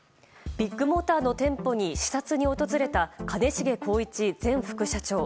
ビッグモーターの店舗に視察に訪れた兼重宏一前副社長。